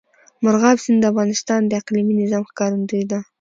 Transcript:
مورغاب سیند د افغانستان د اقلیمي نظام ښکارندوی ده.